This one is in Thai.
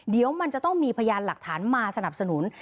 เดี๋ยวมันจะต้องมีพยานหลักฐานมาสนับสนุน